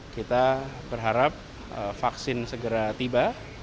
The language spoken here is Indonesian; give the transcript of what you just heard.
kita berharap vaksin segera tiba